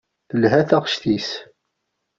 Telha taɣect-is.